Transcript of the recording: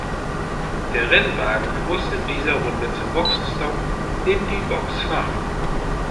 Der Rennwagen muss in dieser Runde zum Boxenstopp in die Box fahren.